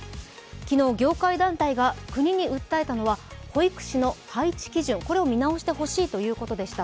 昨日、業界団体が国に訴えたのは保育士の配置基準、これを見直してほしいということでした。